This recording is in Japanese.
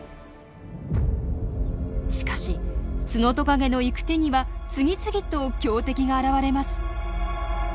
しかしツノトカゲの行く手には次々と強敵が現れます。